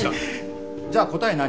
じゃあ答え何？